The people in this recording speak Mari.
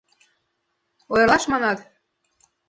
— Ойырлаш, манат?